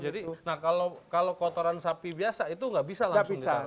jadi kalau kotoran sapi biasa itu nggak bisa langsung ditaruh